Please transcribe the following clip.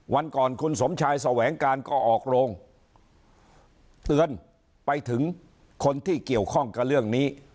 วันก่อนคุณสมชายแสวงการก็ออกโรงเตือนไปถึงคนที่เกี่ยวข้องกับเรื่องนี้